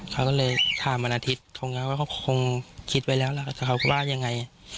เขาก็เลยถามวันอาทิตย์เขาก็คงคิดไว้แล้วแล้วแต่เขาก็ว่ายังไง